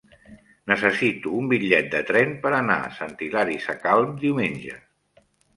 Necessito un bitllet de tren per anar a Sant Hilari Sacalm diumenge.